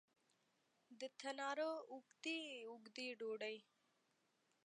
د تناره اوږدې، اوږدې ډوډۍ